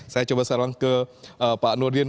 saya coba saran ke pak nurdin